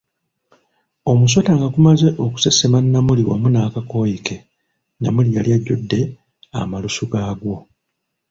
Omusota nga gumaze okusesema Namuli wamu nakakooyi ke, Namuli yali ajjudde amalusu g'aggwo.